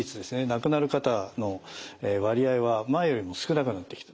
亡くなる方の割合は前よりも少なくなってきた。